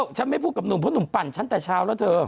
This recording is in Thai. ฉันไม่พูดกับหนุ่มเพราะหนุ่มปั่นฉันแต่เช้าแล้วเธอ